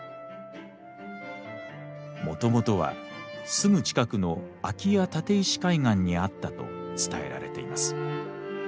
もともとはすぐ近くの秋谷・立石海岸にあったと伝えられています。